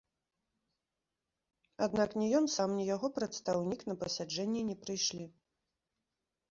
Аднак ні ён сам, ні яго прадстаўнік на пасяджэнні не прыйшлі.